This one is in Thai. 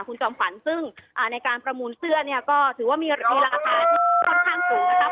คุณจำฝันซึ่งในการประมูลเสื้อก็ถือว่ามีราคาที่ค่อนข้างสูงนะคะ